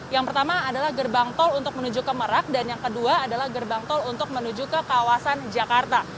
yang pertama adalah gerbang tol untuk menuju ke merak dan yang kedua adalah gerbang tol untuk menuju ke kawasan jakarta